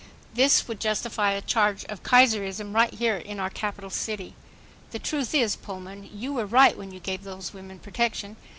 This would justify a charge of "Kaiserism" right here in our capital city. The truth is, Pullman, you were right when you gave these women protection.